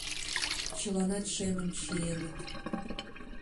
Чыланат шемым чиеныт.